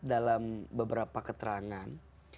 dalam beberapa keterangan